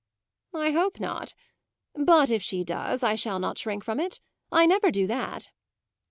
"I hope not; but if she does I shall not shrink from it. I never do that."